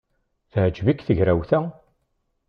Teɛjeb-ik tegrawt-a?